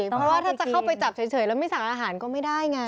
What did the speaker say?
เพราะว่าถ้าจะเข้าไปจับเฉยแล้วไม่สั่งอาหารก็ไม่ได้ไง